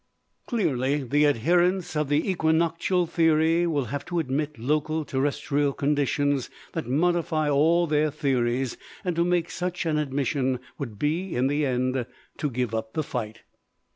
Clearly the adherents of the equinoctial theory will have to admit local terrestrial conditions that modify all their theories: and to make such an admission will be, in the end, to give up the fight.